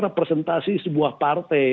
representasi sebuah partai